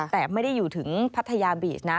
แต่ไม่ได้อยู่ถึงพัทยาบีชนะ